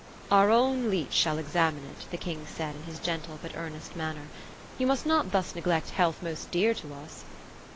^ Our own leech shall examine it;" the king said, in his gentle but earnest manner. " You must not thus neglect health most dear to us."